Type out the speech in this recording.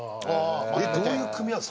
どういう組み合わせ？